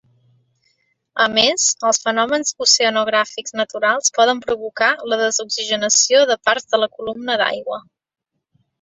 A més, els fenòmens oceanogràfics naturals poden provocar la desoxigenació de parts de la columna d'aigua.